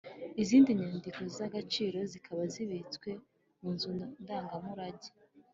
Izindi nyandiko z’agaciro zikaba zibitswe mu nzu ndangamurage.